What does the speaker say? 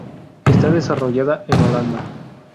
Está desarrolla en Holanda.